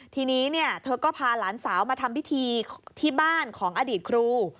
ทีนี้เธอก็พาหลานสาวมาทำพิธีที่บ้านของอดีตครู